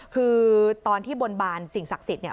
คือตอนที่บนบานสิ่งศักดิ์สิทธิ์เนี่ย